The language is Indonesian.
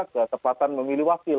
kesempatan memilih wakil